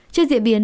trên diễn biến